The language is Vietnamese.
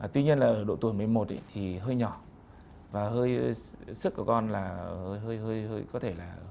tuy nhiên là độ tuổi mới một thì hơi nhỏ và hơi sức của con là hơi hơi hơi có thể là